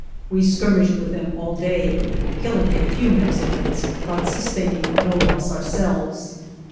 We skirmished with them all day, killing a few Mexicans, but sustaining no loss ourselves.